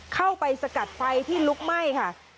เข้าไปสกัดไฟที่ลุกไหม้ค่ะ